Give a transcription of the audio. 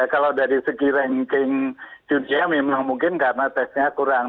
kalau dari segi ranking dunia memang mungkin karena tesnya kurang